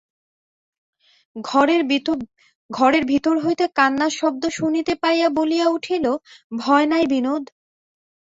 ঘরের ভিতর হইতে কান্নার শব্দ শুনিতে পাইয়া বলিয়া উঠিল, ভয় নাই বিনোদ!